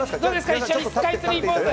一緒にスカイツリーポーズ。